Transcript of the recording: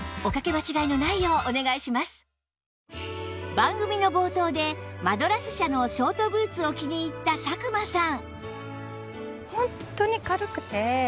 番組の冒頭でマドラス社のショートブーツを気に入った佐久間さん